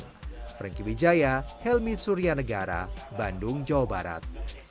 yang terkandung dalam kedelai yang bisa menyebabkan perut kembung